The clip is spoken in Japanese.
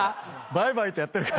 「バイバイ」ってやってるからね。